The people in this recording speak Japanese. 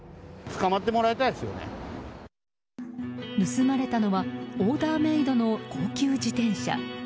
盗まれたのはオーダーメイドの高級自転車。